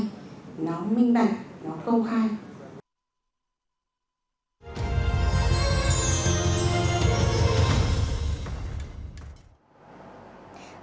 nó minh bạch nó công khai nó tốt hơn nó tốt hơn nó tốt hơn nó tốt hơn nó tốt hơn nó tốt hơn nó tốt hơn nó tốt hơn nó tốt hơn